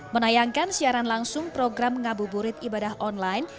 menayangkan siaran langsung program ngabuburit ibadah online